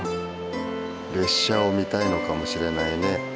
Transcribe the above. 列車を見たいのかもしれないね。